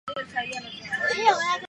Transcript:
它们会在悬崖的洞中筑巢。